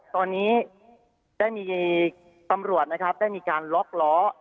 ตอนนี้ได้มีตำรวจนะครับได้มีการล็อกล้อ